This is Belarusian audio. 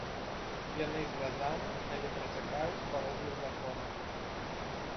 Яны звязаны, але працякаюць па розных законах.